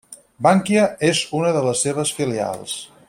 Bankia és una de les seves filials.